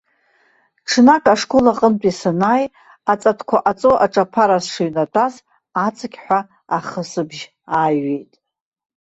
Ҽнак ашкол аҟнытә санааи, аҵатәқәа ҟаҵо аҿаԥара сшыҩнатәаз, аҵықьҳәа ахысыбжь ааҩит.